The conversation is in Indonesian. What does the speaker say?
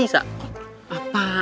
tahu lagi pohonnya